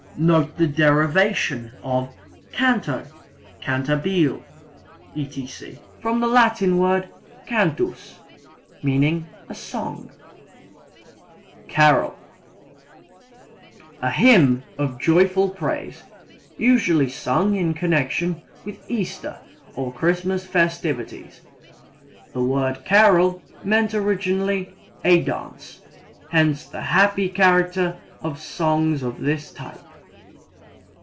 Note the derivation of canto, cantabile, etc., from the Latin word cantus, meaning a song. Carol a hymn of joyful praise, usually sung in connection with Easter or Christmas festivities. The word carol meant originally a dance, hence the happy character of songs of this type.